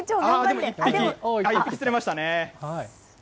でも１匹釣れましたね。